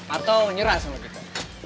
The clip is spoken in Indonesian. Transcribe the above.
atau nyerah sama kita